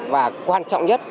và quan trọng nhất